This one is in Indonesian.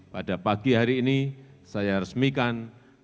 pada pagi hari ini saya resmikan